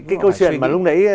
cái câu chuyện mà lúc nãy